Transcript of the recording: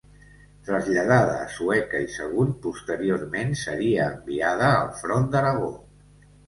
Traslladada a Sueca i Sagunt, posteriorment seria enviada al front d'Aragó.